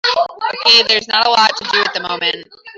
Okay, there is not a lot to do at the moment.